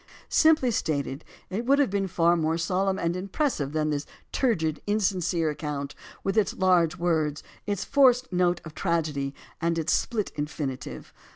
Simply stated, it would have been far more solemn and im pressive than this turgid, insincere account with its large words, its forced note of tragedy, and its split infinitive.